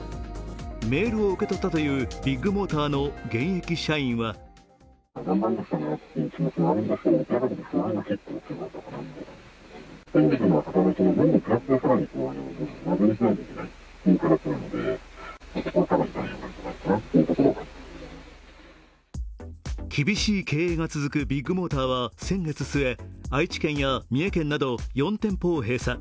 メールを受け取ったというビッグモーターの現役社員は厳しい経営が続くビッグモーターは先月末、愛知県や三重県など４店舗を閉鎖。